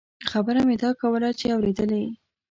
خبره مې دا کوله چې اورېدلې.